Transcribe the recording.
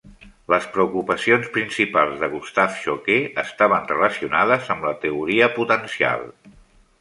Les preocupacions principals de Gustave Choquet estaven relacionades amb la teoria potencial.